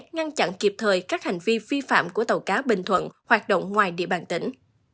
ngăn chặn kịp thời các hành vi phi phạm của tàu cá bình thuận hoạt động ngoài địa bàn tỉnh